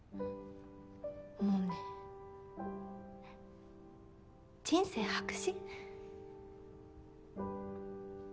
もうね人生白紙？